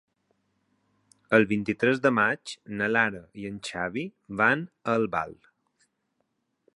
El vint-i-tres de maig na Lara i en Xavi van a Albal.